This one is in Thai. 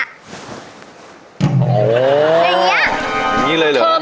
อย่างนี้เลยเหรอ